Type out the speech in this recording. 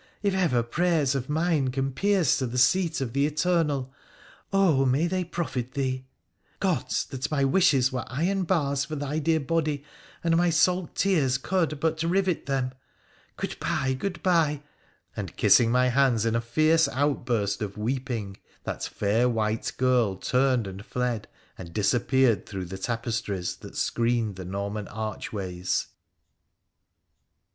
if ever prayers of mine can pierce to the seat of the Eternal, oh, may they profit thee ! Gods ! that my wishes were iron bars for thy dear body, anc my salt tears could but rivet them ! Good bye ! good bye ! and, kissing my hands in a fierce outburst of weeping, thai fair white girl turned and fled, and disappeared through the tapestries that screened the Norman archways.